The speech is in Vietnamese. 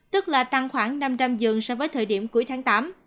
tức là tăng khoảng năm trăm linh giường so với thời điểm cuối tháng tám